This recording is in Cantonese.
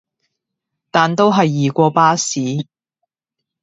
但都係易過巴士